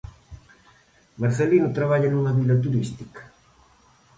Marcelino traballa nunha vila turística.